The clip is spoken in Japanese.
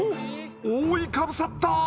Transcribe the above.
覆いかぶさった！